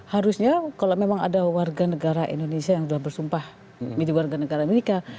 harusnya kalau memang ada warga negara indonesia yang sudah bersumpah menjadi warga negara amerika